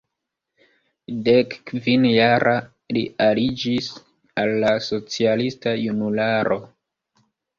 Dekkvin-jara, li aliĝis al la socialista Junularo.